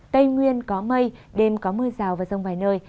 tây nguyên có mây đêm có mưa rào và rông vài nơi